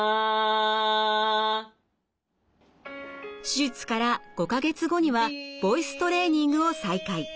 手術から５か月後にはボイストレーニングを再開。